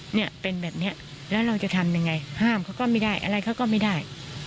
เนี่ยเป็นแบบนี้แล้วเราจะทำยังไงห้ามเขาก็ไม่ได้อะไรเขาก็ไม่ได้